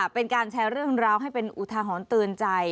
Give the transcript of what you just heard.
เป็นการแชร์เรื่องราวให้เป็นอุทาหรณ์เตือนใจ